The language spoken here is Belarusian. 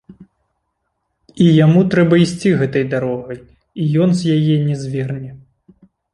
І яму трэба ісці гэтай дарогай, і ён з яе не зверне.